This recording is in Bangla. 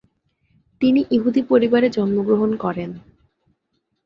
তিনি ইহুদী পরিবারে জন্মগ্রহণ করেন।